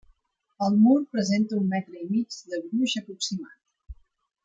El mur presenta un metre i mig de gruix aproximat.